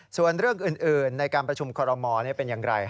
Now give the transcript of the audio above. ส่วนเรื่องอื่นในการประชุมคอรมอลเป็นอย่างไร